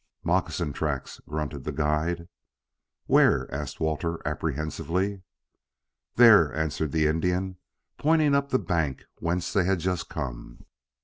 "Moccasin tracks," grunted the guide. "Where?" asked Walter, apprehensively. "There," answered the Indian, pointing up the bank whence they had just come.